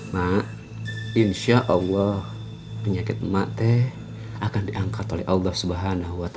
mak insya allah penyakit memakte akan diangkat oleh allah swt